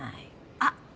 あっ。